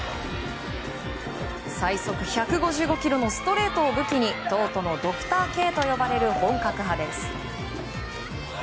最速１５５キロのストレートを武器に東都のドクターＫと呼ばれる本格派です。